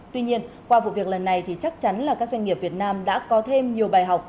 tuy nhiên qua vụ việc lần này thì chắc chắn là các doanh nghiệp việt nam đã có thêm nhiều bài học